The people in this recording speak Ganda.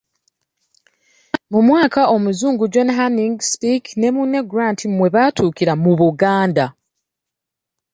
Mu mwaka Omuzungu John Hanning Speke ne munne Grant mwe baatuukira mu Buganda.